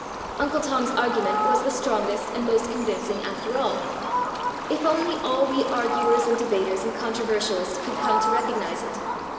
"' Uncle Tom's argument was the strongest and most convincing after all; if only all we arguers, and debaters, and controversialists could come to recognize it.